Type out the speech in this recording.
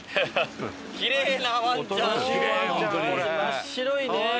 真っ白いね。